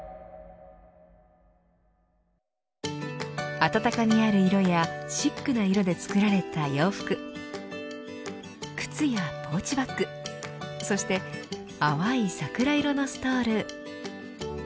温かみある色やシックな色で作られた洋服靴やポーチバッグそして淡い桜色のストール。